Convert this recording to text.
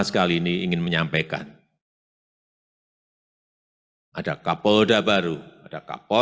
jangan lupa jangan lupa